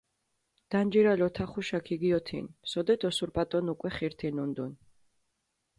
დანჯირალ ოთახუშა ქიგიოთინჷ, სოდეთ ოსურპატონ უკვე ხირთინუნდუნ.